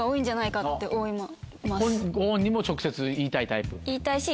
ご本人も直接言いたいタイプ？